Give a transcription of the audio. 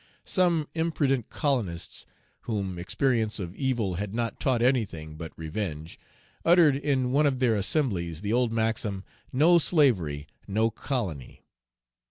Some imprudent colonists, whom experience of evil had not taught anything but revenge, uttered in one of their assemblies the old maxim, "No slavery, no colony."